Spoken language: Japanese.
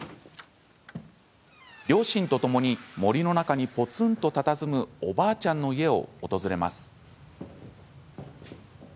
両親とともに森の中にぽつんとたたずむおばあちゃんの家を訪れます。